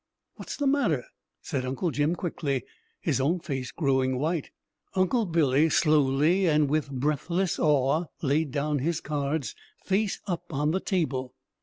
"What's the matter?" said Uncle Jim quickly, his own face growing white. Uncle Billy slowly and with breathless awe laid down his cards, face up on the table.